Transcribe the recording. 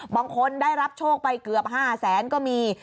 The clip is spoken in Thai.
บางคนได้รับโชคไปเกือบ๕แสนก็มี